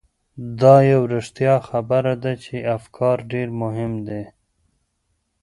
دا یوه رښتیا خبره ده چې افکار ډېر مهم دي.